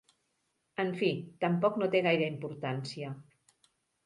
En fi, tampoc no té gaire importància.